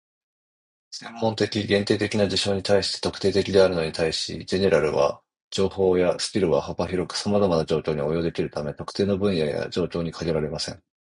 専門的、限定的な事象に対して「特定的」であるのに対し、"general" な情報やスキルは幅広くさまざまな状況に応用できるため、特定の分野や状況に限られません。